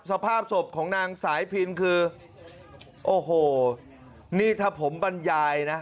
สภาพศพของนางสายพินคือโอ้โหนี่ถ้าผมบรรยายนะ